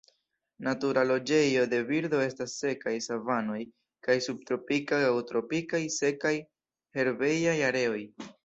Natura loĝejo de birdo estas sekaj savanoj kaj subtropikaj aŭ tropikaj sekaj herbejaj areoj.